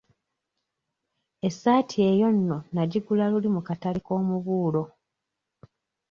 Essaati eyo nno nagigula luli mu katale k'omubuulo.